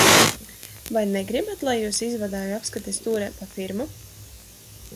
Vai negribat, lai jūs izvadāju apskates tūrē pa firmu?